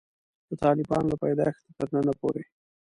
د طالبانو له پیدایښته تر ننه پورې.